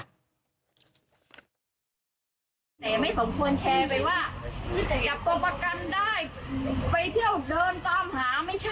ไม่สมควรแชร์ไปว่าจับตรวจประกันได้